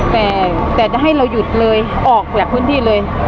แต่จะให้เราหยุดเลยออกจากพื้นที่เลย